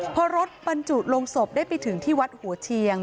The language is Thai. พอรถบรรจุลงศพได้ไปถึงที่วัดหัวเชียง